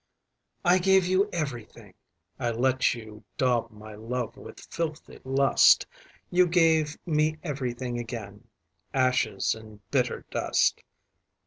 I gave you everything;I let you daub my love with filthy lust. You gave me everything again:Ashes and bitter dust.